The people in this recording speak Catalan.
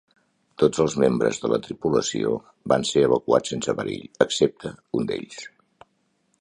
Tots els membres de la tripulació van ser evacuats sense perill, excepte un d'ells.